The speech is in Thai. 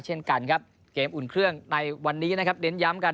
เช่นกันครับเกมอุ่นเครื่องในวันนี้นะครับเน้นย้ำกัน